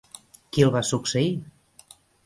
Qui el va succeir?